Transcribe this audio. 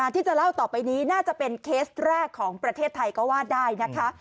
ที่จะเล่าต่อไปนี้น่าจะเป็นเคสแรกของประเทศไทยก็ว่าได้นะคะ